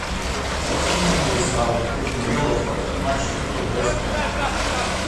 The female is duller, having a yellow throat and much weaker breast band.